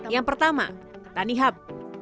yang pertama tanihub